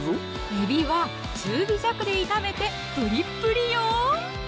えびは中火弱で炒めてプリップリよ！